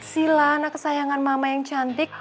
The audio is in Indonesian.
sila anak kesayangan mama yang cantik